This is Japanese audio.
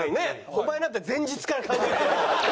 お前なんて前日から考えて。